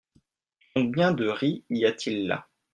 Combien de riz y a-t-il là ?